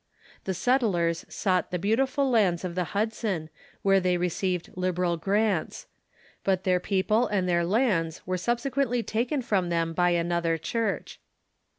The settlers sought the beautiful lands of the Hudson, Avhere they received liberal grants ; but their people and their lands were subsequently taken from them by another Church.